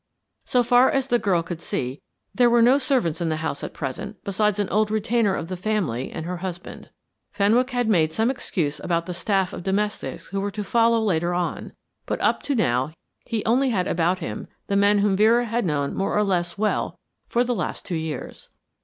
So far as the girl could see, there were no servants in the house at present besides an old retainer of the family and her husband. Fenwick had made some excuse about the staff of domestics who were to follow later on; but up to now he only had about him the men whom Vera had known more or less well for the last two years.